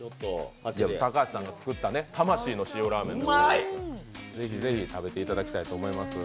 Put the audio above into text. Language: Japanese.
高橋さんが作った魂の塩ラーメン、ぜひぜひ食べていただきたいと思います。